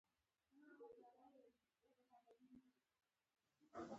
خوراک لټونکي یواځې د فوري اړتیاوو پوره کولو ته پاملرنه درلوده.